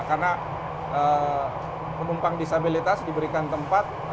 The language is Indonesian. karena pemumpang disabilitas diberikan tempat